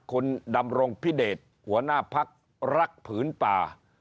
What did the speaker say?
คุณดำรงพิเดชหัวหน้าพักรักผืนป่า